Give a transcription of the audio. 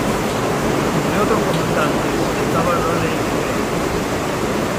Entre otros comandantes estaba Raleigh Grey.